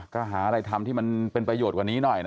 ก็หาอะไรทำที่มันเป็นประโยชน์กว่านี้หน่อยนะ